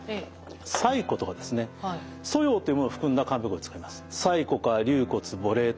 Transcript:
柴胡とか蘇葉というものを含んだ漢方薬を使います。